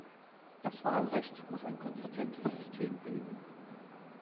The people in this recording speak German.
Das Wahlrecht muss ein konsistentes System bilden.